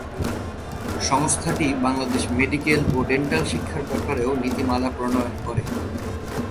সংস্থাটি বাংলাদেশে মেডিকেল এবং ডেন্টাল শিক্ষার ব্যাপারেও নীতিমালা প্রনয়ন করে।